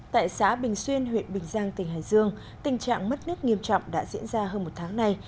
tại xã bình xuyên huyện bình giang tỉnh hải dương tình trạng mất nước nghiêm trọng đã diễn ra hơn một tháng nay